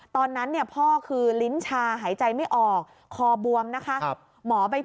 ตอนนั้นพ่อคือลิ้นชาหายใจไม่ออกคอบวมนะคะ